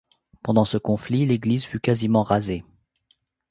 Pendant ce conflit, l'église fut quasiment rasée.